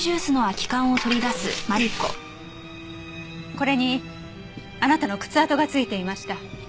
これにあなたの靴跡が付いていました。